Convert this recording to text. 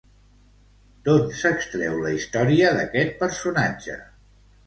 D'on s'extreu la història d'aquest personatge?